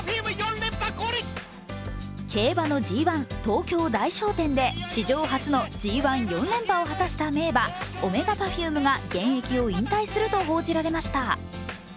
競馬のＧⅠ東京大賞典で史上初のＧⅠ４連覇を果たした名馬、オメガパフュームが現役を引退すると報じられました。